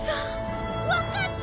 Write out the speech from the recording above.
わかった！